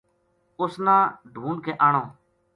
اُس نا ڈھونڈ کے آنوں